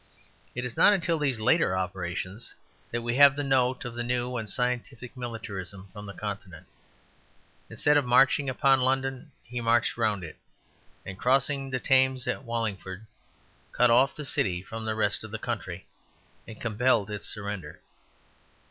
It is not until these later operations that we have the note of the new and scientific militarism from the Continent. Instead of marching upon London he marched round it; and crossing the Thames at Wallingford cut off the city from the rest of the country and compelled its surrender.